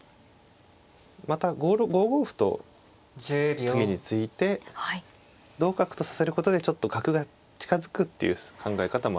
また５五歩と次に突いて同角とさせることでちょっと角が近づくっていう考え方もありますね。